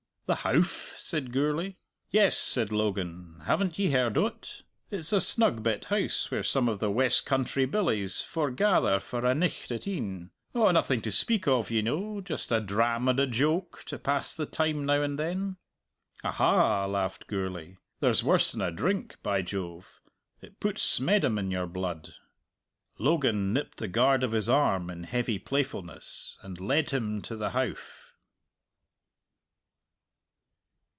"The Howff?" said Gourlay. "Yes," said Logan; "haven't ye heard o't? It's a snug bit house where some of the West Country billies forgather for a nicht at e'en. Oh, nothing to speak of, ye know just a dram and a joke to pass the time now and then!" "Aha!" laughed Gourlay, "there's worse than a drink, by Jove. It puts smeddum in your blood!" Logan nipped the guard of his arm in heavy playfulness and led him to the Howff.